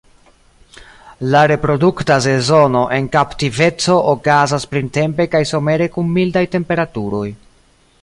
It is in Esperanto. La reprodukta sezono en kaptiveco okazas printempe kaj somere kun mildaj temperaturoj.